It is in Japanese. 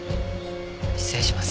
失礼します。